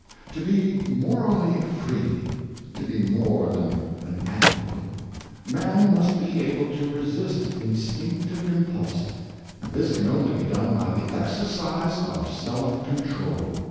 To be morally free — to be more than an animal — man must be able to resist instinctive impulse, and this can only be done by the exercise of self control.